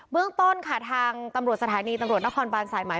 เรื่องต้นค่ะทางตำรวจสถานีตำรวจนครบานสายไหม